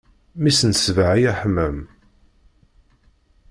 Mmi-s n sbeɛ ay aḥmam.